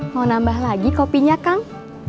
mau nambah lagi kopinya kang